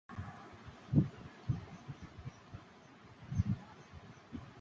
মন্দিরটি এখন পরিত্যক্ত অবস্থায় রয়েছে।